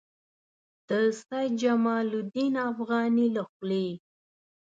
د سید جمال الدین افغاني له خولې.